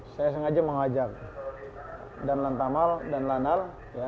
saya sengaja mengajak danlan tamal danlan al